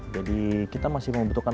jadi kita masih membutuhkan